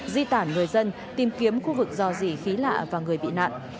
di tản người dân tìm kiếm khu vực dò dỉ khí lạ và người bị nạn